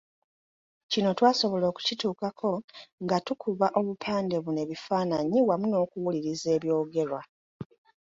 Kino twasobola okukituukako nga tukuba obupande buno ebifaananyi wamu n'okuwuliriza ebyogerwa.